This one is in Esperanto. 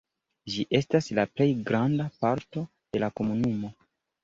Ĝi estas la plej granda parto de la komunumo.